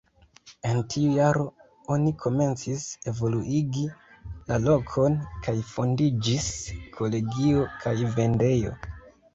En tiu jaro oni komencis evoluigi la lokon, kaj fondiĝis kolegio kaj vendejo.